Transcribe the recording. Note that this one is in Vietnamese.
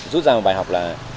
rút ra một bài học là